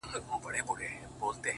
د کلي حوري په ټول کلي کي لمبې جوړي کړې”